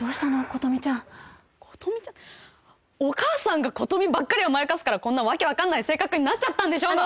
琴美ちゃん琴美ちゃんってお母さんが琴美ばっかり甘やかすからこんな訳分かんない性格になっちゃったんでしょうが！